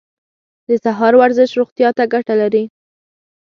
د سهار ورزش روغتیا ته ګټه لري.